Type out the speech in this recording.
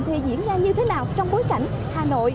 thì em nào cũng được trên năm mươi